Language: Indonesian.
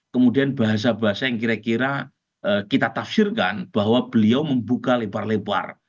kemudian bahasa bahasa yang kira kira kita tafsirkan bahwa beliau membuka lebar lebar